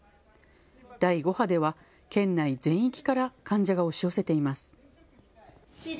第５波では県内全域から患者が押し寄せています。